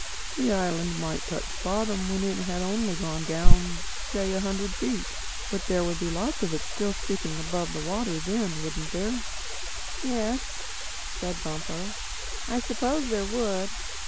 The island might touch bottom when it had only gone down, say, a hundred feet. But there would be lots of it still sticking up above the water then, wouldn't there?" "Yes," said Bumpo, "I suppose there would.